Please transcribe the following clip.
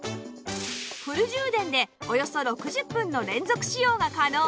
フル充電でおよそ６０分の連続使用が可能